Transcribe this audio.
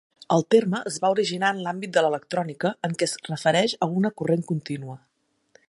El terme es va originar en l'àmbit de l'electrònica en què es refereix a una corrent continua.